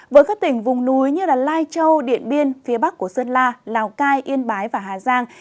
với các tỉnh vùng núi như lai châu điện biên phía bắc của sơn la lào cai yên bái và hà giang